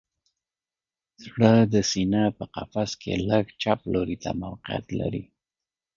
زړه د سینه په قفس کې لږ څه چپ لوري ته موقعیت لري